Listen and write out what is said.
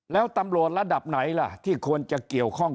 แล้วตำรวจระดับไหนล่ะที่ควรจะเกี่ยวข้อง